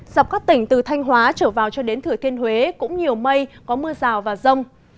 dọc các tỉnh từ thanh hóa trở vào cho đến thừa thiên huế cũng nhiều mây có mưa rào và rông